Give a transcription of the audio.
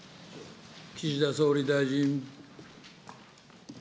岸田総理大臣。